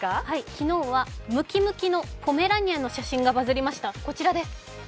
昨日はムキムキのポメラニアンの写真がバズりました。